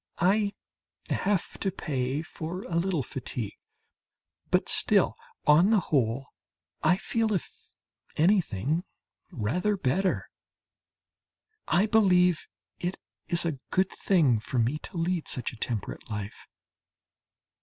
I have to pay for a little fatigue, but still on the whole I feel if anything rather better. I believe it is a good thing for me to lead such a temperate life.